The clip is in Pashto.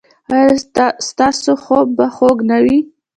ایا ستاسو خوب به خوږ نه وي؟